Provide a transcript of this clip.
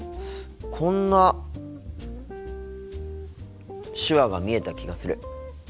こんな手話が見えた気がする。